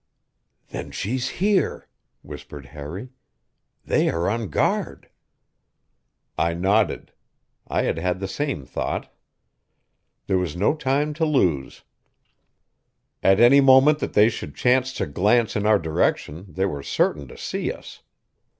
"Then she's here!" whispered Harry. "They are on guard." I nodded; I had had the same thought. There was no time to lose; at any moment that they should chance to glance in our direction they were certain to see us.